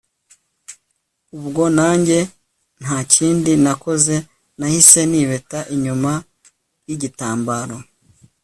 ubwo nanjye ntakindi nakoze, nahise nibeta inyuma yigitambaro